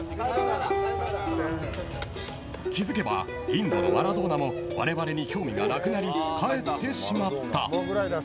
気付けばインドのマラドーナもわれわれに興味がなくなり帰ってしまった。